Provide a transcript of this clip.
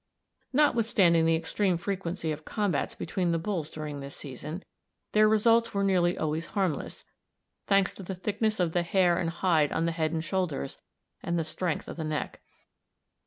Notwithstanding the extreme frequency of combats between the bulls during this season, their results were nearly always harmless, thanks to the thickness of the hair and hide on the head and shoulders, and the strength of the neck.